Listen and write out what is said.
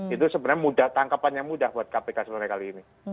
itu sebenarnya mudah tangkapan yang mudah buat kpk sebenarnya kali ini